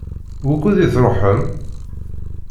Wukud i tṛuḥem?